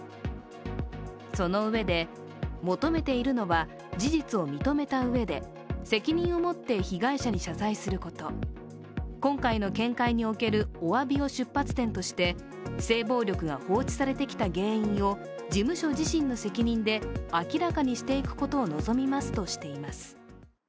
そのうえで、求めているのは事実を認めたうえで責任を持って被害者に謝罪すること、今回の見解におけるおわびを出発点として性暴力が放置されてきた原因を事務所自身の責任で明らかにしていくことを望みますとしています。